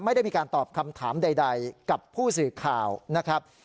ไม่ได้มีการตอบคำถามใดกับผู้สื่อข่าวนะครับ